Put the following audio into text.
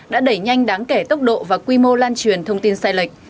đã đẩy nhanh đáng kể tốc độ và quy mô lan truyền thông tin sai lệch